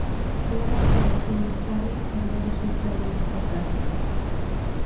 Toda la operación de Harry había resultado un fracaso.